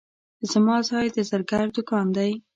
زما ځای د زرګر دوکان دی.